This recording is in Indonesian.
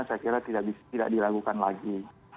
saya kira tidak diragukan lagi